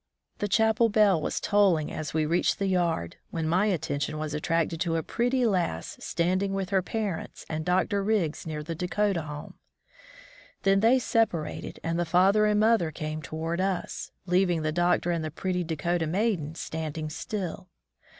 The chapel bell was tolling as we reached the yard, when my attention was attracted to a pretty lass standing with her parents and Dr. Riggs near the Dakota Home. Then they separated and the father and mother came toward us, leaving the Doctor and the pretty Dakota maiden standing still.